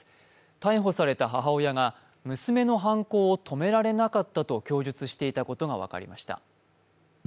逮捕された母親が、娘の犯行を止められなかったと供述していたことが分かりました。